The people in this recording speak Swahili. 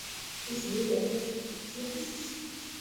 watu waliofanya vitendo vya mauaji ya kimbari walihukumiwa